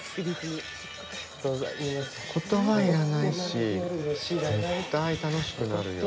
言葉、要らないし絶対、楽しくなるよ。